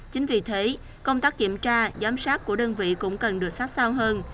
chính vì thế công tác kiểm tra giám sát của đơn vị cũng cần được sát sao hơn